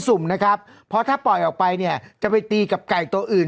สุ่มนะครับเพราะถ้าปล่อยออกไปเนี่ยจะไปตีกับไก่ตัวอื่น